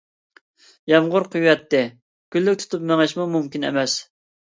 يامغۇر قۇيۇۋەتتى، كۈنلۈك تۇتۇپ مېڭىشمۇ مۇمكىن ئەمەس.